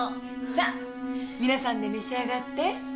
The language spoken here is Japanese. さあ皆さんで召し上がって。